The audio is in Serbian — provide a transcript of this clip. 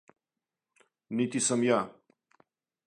Нити сам ја.